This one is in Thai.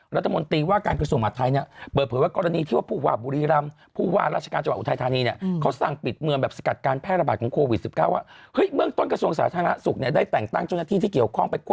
รัฐมนตรีว่าการปฎสุมบัตรไทยเนี่ย